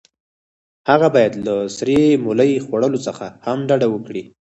هغه باید له سرې مولۍ خوړلو څخه هم ډډه وکړي.